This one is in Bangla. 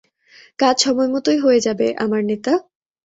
কাজ সময়মতোই হয়ে যাবে, আমার নেতা!